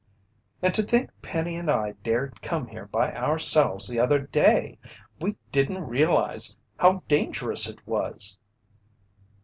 "And to think Penny and I dared come here by ourselves the other day! We didn't realize how dangerous it was!"